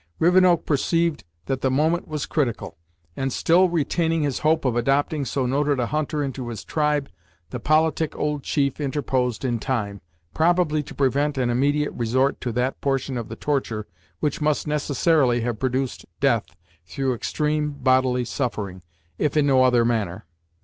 Rivenoak perceived that the moment was critical, and, still retaining his hope of adopting so noted a hunter into his tribe, the politic old chief interposed in time, probably to prevent an immediate resort to that portion of the torture which must necessarily have produced death through extreme bodily suffering, if in no other manner.